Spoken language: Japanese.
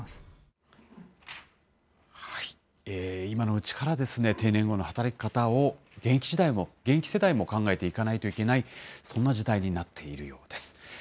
今のうちから、定年後の働き方を現役時代も、現役世代も考えていかないといけない、そんな時代になっているようです。